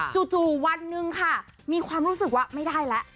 วันหนึ่งค่ะมีความรู้สึกว่าไม่ได้แล้ว